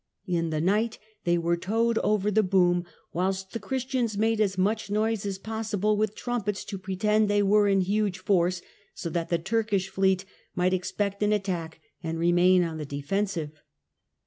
In the night they were towed over the boom, whilst the Christians made as much noise as possible with trumpets to pretend they were in huge force, so that the Turkish fleet might ex pect an attack and remain on the defensive.